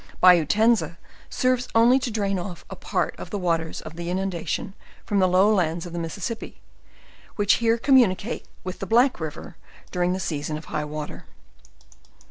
Bayou Tenza serves only to drain off a part of the waters of the inundation from the low lands of the Mis sissippi, which here communicate with the Black river dur ing the season of high water.